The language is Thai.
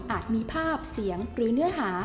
มีภาพเสียงหรือเนื้อหา